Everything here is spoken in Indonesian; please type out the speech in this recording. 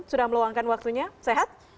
sudah meluangkan waktunya sehat